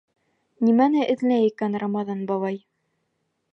Нимәне эҙләй икән Рамаҙан бабай?